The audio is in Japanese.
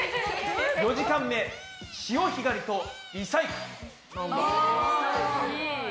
４時間目「潮干狩りとリサイクル」。